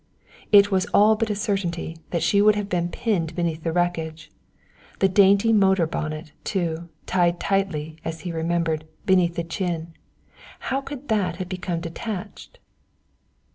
It was all but a certainty that she would have been pinned beneath the wreckage. The dainty motor bonnet, too, tied tightly, as he remembered, beneath the chin how could that have become detached?